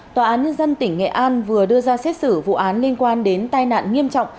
tòa án nhân dân tỉnh nghệ an vừa đưa ra xét xử vụ án liên quan đến tai nạn nghiêm trọng